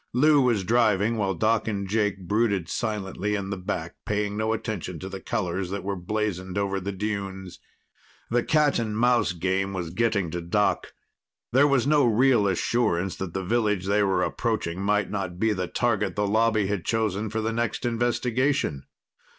Lou was driving, while Doc and Jake brooded silently in the back, paying no attention to the colors that were blazoned over the dunes. The cat and mouse game was getting to Doc. There was no real assurance that the village they were approaching might not be the target the Lobby had chosen for the next investigation.